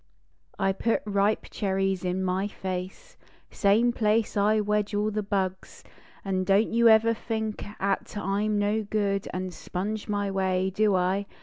I put ripe cherries in my face, Same place I wedge all the bugs ; An don t you ever think At I m no good An sponge my way. Do I?